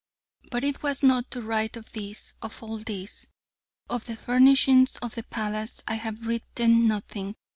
But it was not to write of this of all this ! Of the furnishing of the palace I have written nothing....